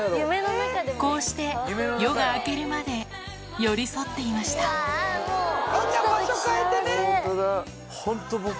こうして夜が明けるまで寄り添っていました場所変えてね。